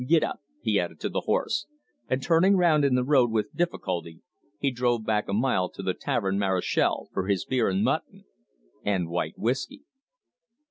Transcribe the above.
Get up!" he added to the horse, and turning round in the road with difficulty, he drove back a mile to the Tavern Marochal for his beer and mutton and white whiskey.